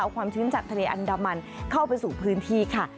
เอาความชื้นจากทะเลอันดามันเข้าไปสู่พื้นที่ค่ะ